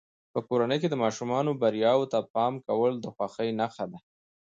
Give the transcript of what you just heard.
په کورنۍ کې د ماشومانو بریاوو ته پام کول د خوښۍ نښه ده.